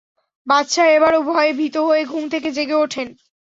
বাদশাহ এবারও ভয়ে ভীত হয়ে ঘুম থেকে জেগে উঠেন।